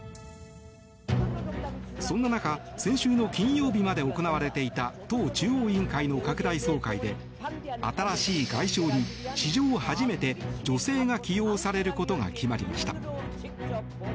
そんな中、先週の金曜日まで行われていた党中央委員会の拡大総会で新しい外相に史上初めて女性が起用されることが決まりました。